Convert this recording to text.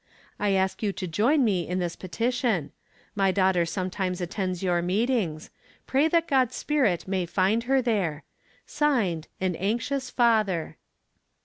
I ask you to join me in this pe tition, lly daughter sometimes attends your meetings. Pray that God's spirit may find her there. (Signed,) 'As Anxious Fathee."